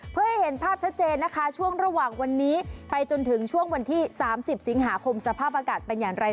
เพื่อให้เห็นภาพชัดเจนนะคะช่วงระหว่างวันนี้ไปจนถึงช่วงวันที่๓๐สิงหาคมสภาพอากาศเป็นอย่างไร